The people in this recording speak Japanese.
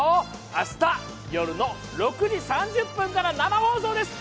明日、夜の６時３０分から生放送です。